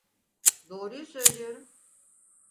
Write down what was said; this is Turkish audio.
Doğruyu söylüyorum.